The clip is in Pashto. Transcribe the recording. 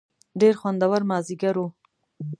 ډېر خوندور مازیګر و.